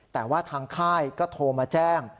แต่ว่าทางค่ายก็โทรมาแจ้ง